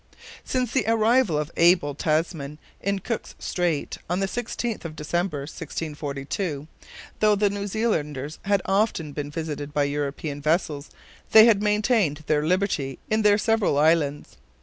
Since the arrival of Abel Tasman in Cook's Strait, on the 16th of December, 1642, though the New Zealanders had often been visited by European vessels, they had maintained their liberty in their several islands.